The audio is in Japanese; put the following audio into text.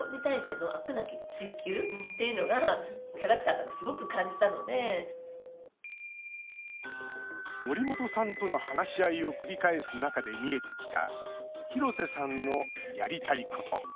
森本さんは、少しずつ引き出していきました森本さんとの話し合いを繰り返す中で見えてきた廣瀬さんのやりたいこと。